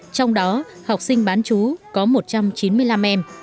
trong đó học sinh bán chú có một trăm chín mươi năm em